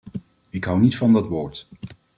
Ik hou niet van dat woord.